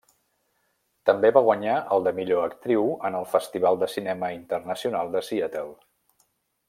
També va guanyar el de Millor Actriu en el Festival de Cinema Internacional de Seattle.